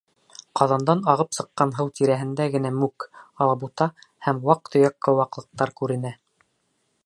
Ҡаҙандан ағып сыҡҡан һыу тирәһендә генә мүк, алабута һәм ваҡ-төйәк ҡыуаҡлыҡтар күренә.